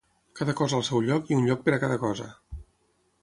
Cada cosa al seu lloc i un lloc per a cada cosa.